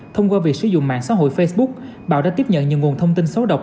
thông qua việc sử dụng mạng xã hội facebook bảo đã tiếp nhận nhiều nguồn thông tin xấu độc